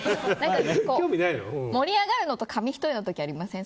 盛り上がるのと紙一重の時ありません？